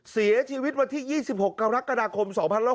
เสียชีวิตวันที่๒๖กรกฎาคม๒๖๖